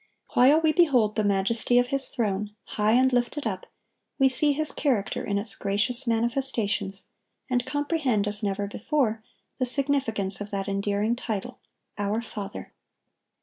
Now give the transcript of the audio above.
While we behold the majesty of His throne, high and lifted up, we see His character in its gracious manifestations, and comprehend, as never before, the significance of that endearing title, "Our Father."